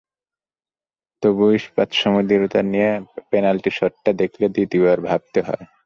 তবু ইস্পাতসম দৃঢ়তা নিয়ে নেয়া পেনাল্টি শটটা দেখলে দ্বিতীয়বার ভাবতে হয়।